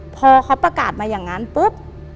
พอเขาประกาศมาอย่างนั้นปุ๊บ